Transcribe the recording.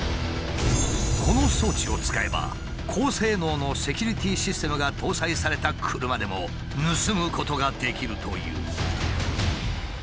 この装置を使えば高性能のセキュリティーシステムが搭載された車でも盗むことができるという。